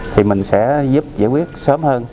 thì mình sẽ giúp giải quyết sớm hơn